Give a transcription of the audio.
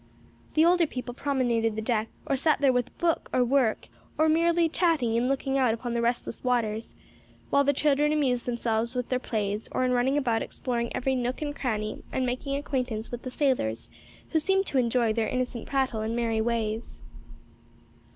The older people promenaded the deck or sat there with book or work, or merely chatting and looking out upon the restless waters, while the children amused themselves with their plays or in running about exploring every nook and cranny and making acquaintance with the sailors who seemed to enjoy their innocent prattle and merry ways.